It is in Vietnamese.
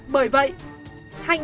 bởi vậy hạnh